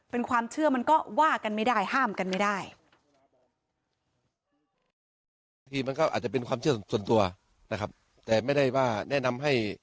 เป็นความเชื่อมันก็ว่ากันไม่ได้ห้ามกันไม่ได้